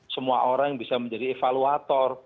semua orang bisa menjadi evaluator